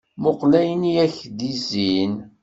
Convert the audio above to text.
Muqqel ayen i ak-d-izzin.